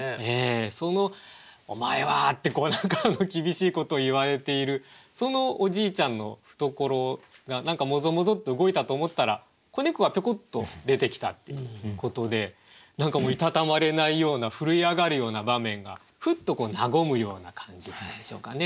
その「お前は！」ってこう何か厳しいことを言われているそのおじいちゃんのふところが何かもぞもぞっと動いたと思ったら子猫がぴょこっと出てきたっていうことで何かもう居たたまれないような震え上がるような場面がふっと和むような感じでしょうかね。